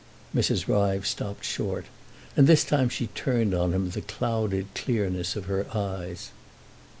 Mrs. Ryves stopped short, and this time she turned on him the clouded clearness of her eyes.